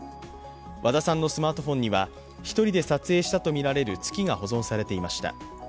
和田さんのスマートフォンには１人で撮影したとみられる月が保存されていました。